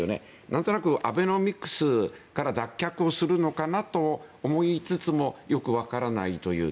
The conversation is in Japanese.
なんとなくアベノミクスから脱却をするのかなと思いつつもよくわからないという。